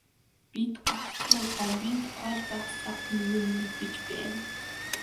Бид гагцхүү Гомбын тухай л бага сага юм мэдэж байна.